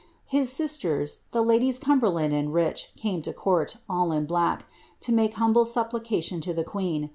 Hi. J sisters, the ladies Northumberland and Ricfe. came to court, all in black, to make humble suppiicalion to the queeo.